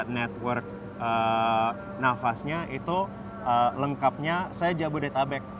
network nafasnya itu lengkapnya saya jabodetabek